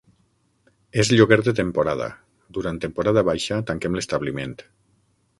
És lloguer de temporada, durant temporada baixa tanquem l'establiment.